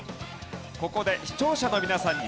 ここで視聴者の皆さんにヒント。